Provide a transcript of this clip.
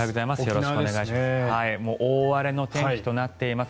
よろしくお願いします。